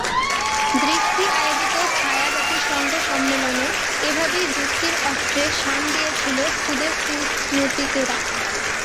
দৃষ্টি আয়োজিত ছায়া জাতিসংঘ সম্মেলনে এভাবেই যুক্তির অস্ত্রে শাণ দিয়েছিল খুদে কূটনীতিকেরা।